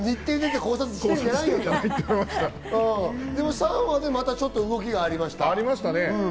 ３話でまたちょっと動きがありました。